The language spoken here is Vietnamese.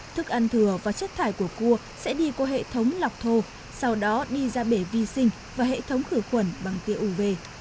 thức ăn thừa và chất thải của cua sẽ đi qua hệ thống lọc thô sau đó đi ra bể vi sinh và hệ thống khử khuẩn bằng tia uv